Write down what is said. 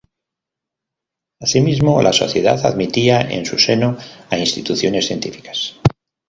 Asimismo, la Sociedad admitía en su seno a instituciones científicas.